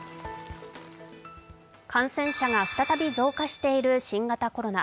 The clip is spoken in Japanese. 感染者が再び増加している新型コロナ。